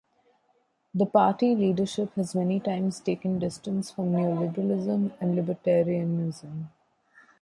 The party leadership has many times taken distance from neoliberalism and libertarianism.